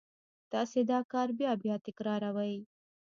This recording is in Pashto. تاسې دا کار بیا بیا تکراروئ